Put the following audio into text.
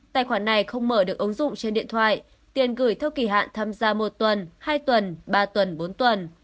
tài khoản này không mở được ứng dụng trên điện thoại tiền gửi theo kỳ hạn tham gia một tuần hai tuần ba tuần bốn tuần